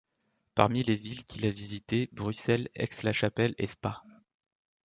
Parmi les villes qu'il a visité, Bruxelles, Aix-la-Chapelle et Spa.